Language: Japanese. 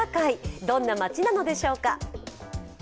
どんな街なのでしょうか。